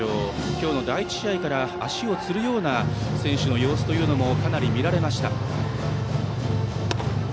今日の第１試合から足をつるような選手の様子がかなり見られました。